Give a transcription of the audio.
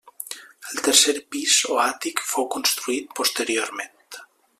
El tercer pis o àtic fou construït posteriorment.